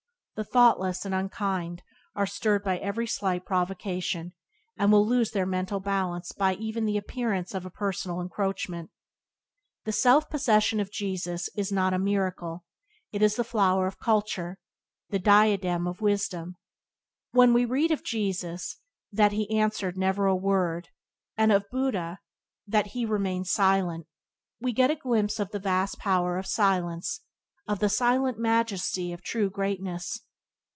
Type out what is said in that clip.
The thoughtless and unkind are stirred by every slight provocation, and will lose their mental balance by even the appearance of a personal encroachment. The self possession of Jesus is not a miracle; it is the flower of culture, the diadem of wisdom. When we read of Jesus that "He answered never a word" and of Buddha that "He remained silent," we get a glimpse of the vast power of silence, of the silent majesty of true greatness.